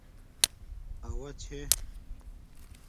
اوݳ چھݺ .